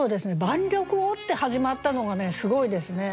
「万緑を」って始まったのがすごいですね。